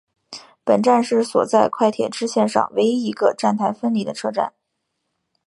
本站是所在的快铁支线上唯一一个站台分离的车站。